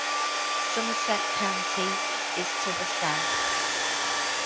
Somerset County is to the south.